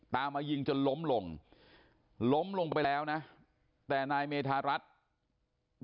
ตามมายิงจนล้มลงล้มลงไปแล้วนะแต่นายเมธารัฐ